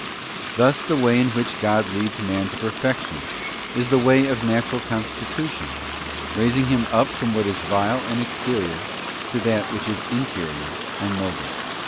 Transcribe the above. Thus the way in which God leads man to perfection is the way of his natural constitution, raising him up from what is vile and exterior to that which is interior and noble.